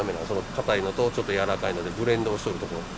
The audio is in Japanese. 硬いのとちょっと柔らかいのでブレンドをしとるところ。